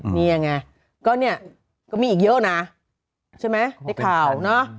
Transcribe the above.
นี่ยังไงก็เนี่ยก็มีอีกเยอะนะใช่ไหมในข่าวเนอะ